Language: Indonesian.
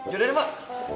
ya udah mbak